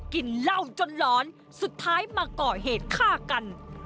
กินเหล้าจนหลอนสุดท้ายมาก่อเหตุฆ่ากัน